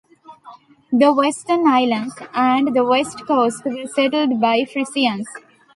The western islands and the west coast were settled by Frisians.